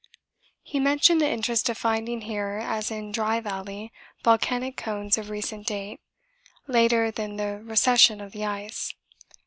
He mentioned the interest of finding here, as in Dry Valley, volcanic cones of recent date (later than the recession of the ice).